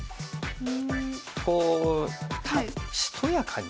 こうしとやかに。